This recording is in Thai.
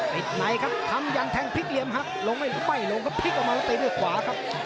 ปิดไหนดทันอย่างแทงพลิกเหลี่ยมแบบหลงไว้หลงจะติดนับเป็นพลิกขวา